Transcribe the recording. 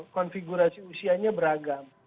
konfigurasi usianya beragam